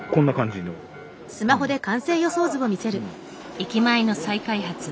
駅前の再開発。